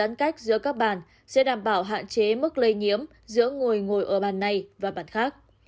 các nhà hàng ký kết giữa các bàn sẽ đảm bảo hạn chế mức lây nhiễm giữa người ngồi ở bàn này và bàn khác